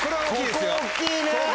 ここ大っきいね！